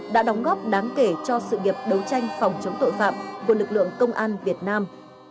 đã đóng góp đáng kể cho sự nghiệp đấu tranh phòng chống tội phạm của lực lượng công an việt nam